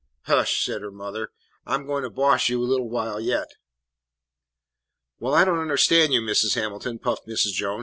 "Heish," said her mother; "I 'm goin' to boss you a little while yit." "Why, I don't understan' you, Mis' Hamilton," puffed Mrs. Jones.